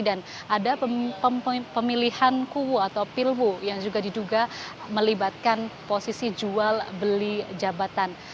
dan ada pemilihan kuwu atau pilwu yang juga diduga melibatkan posisi jual beli jabatan